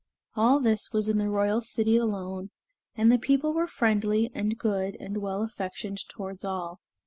All this was in the royal city alone, and the people were friendly and good and well affectioned towards all.